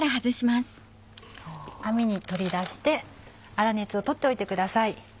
網に取り出して粗熱を取っておいてください。